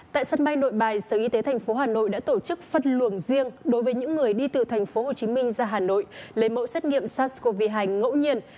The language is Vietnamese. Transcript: tại sân bay nội bài sở y tế tp hà nội đã tổ chức phân luồng riêng đối với những người đi từ tp hcm ra hà nội lấy mẫu xét nghiệm sars cov hai ngẫu nhiên